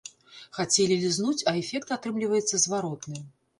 Хацелі лізнуць, а эфект атрымліваецца зваротны!